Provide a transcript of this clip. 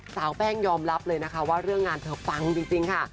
สาวแป้งยอมรับเลยนะคะว่าเรื่องงานเธอฟังจริงค่ะ